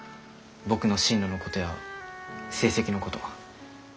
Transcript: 僕の進路のことや成績のこと。